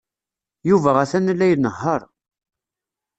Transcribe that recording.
Yuba atan la inehheṛ.